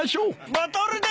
ボトルで！